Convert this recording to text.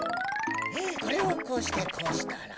これをこうしてこうしたら。